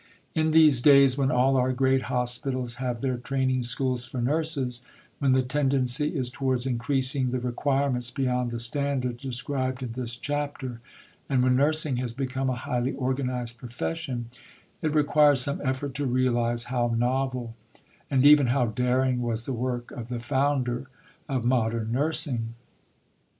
In these days, when all our great hospitals have their training schools for nurses, when the tendency is towards increasing the requirements beyond the standard described in this chapter, and when nursing has become a highly organized profession, it requires some effort to realize how novel, and even how daring, was the work of the founder of modern nursing.